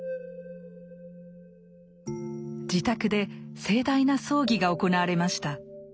自宅で盛大な葬儀が行われました。